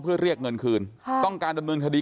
เพื่อเรียกเงินคืนต้องการดำเนินคดี